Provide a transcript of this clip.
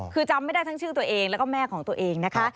คือจำไม่ได้ทั้งชื่อตัวเองแล้วก็แม่ของตัวเองนะคะ